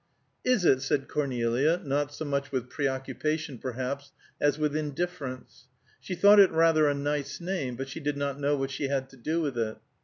"Is it?" said Cornelia, not so much with preoccupation, perhaps, as with indifference. She thought it rather a nice name, but she did not know what she had to do with it.